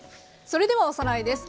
それではおさらいです。